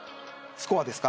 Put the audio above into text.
スコアですか。